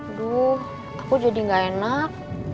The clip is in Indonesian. aduh aku jadi gak enak